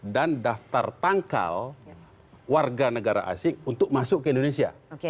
dan daftar tangkal warga negara asing untuk masuk ke indonesia